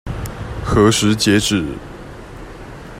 何時截止？